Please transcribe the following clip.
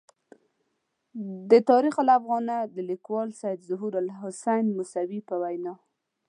د تاریخ افاغنه د لیکوال سید ظهور الحسین موسوي په وینا.